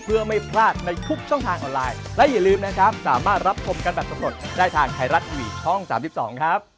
อุ๊ยต้องไปลองทานแล้วเนอะไปครับ